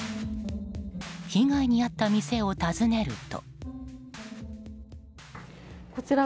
被害に遭った店を訪ねると。